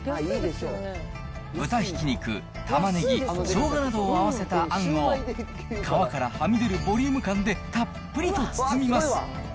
豚ひき肉、玉ねぎ、しょうがなどを合わせたあんを皮からはみ出るボリューム感でたっぷりと包みます。